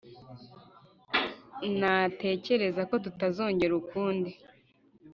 natekereza ko tutazongera ukundi